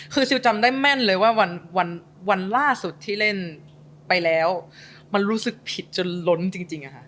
คือซิลจำได้แม่นเลยว่าวันล่าสุดที่เล่นไปแล้วมันรู้สึกผิดจนล้นจริงอะค่ะ